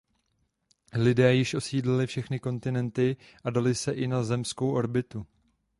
Lidé již osídlili všechny kontinenty a dostali se i na zemskou orbitu.